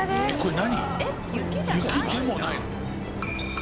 何？